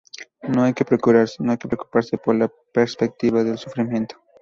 No hay que preocuparse por la perspectiva del sufrimiento".